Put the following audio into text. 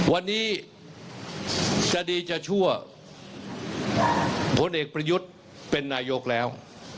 วันนี้จะดีจะชั่วผลเอกประยุทธ์เป็นนายกแล้ว